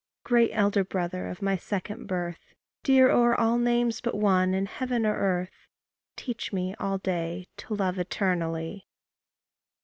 Great elder brother of my second birth, Dear o'er all names but one, in heaven or earth, Teach me all day to love eternally.